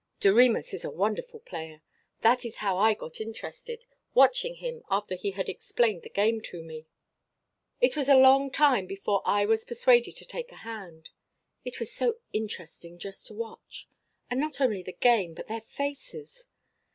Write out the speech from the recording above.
Doremus is a wonderful player. That is how I got interested, watching him after he had explained the game to me. "It was a long time before I was persuaded to take a hand. It was so interesting just to watch. And not only the game, but their faces.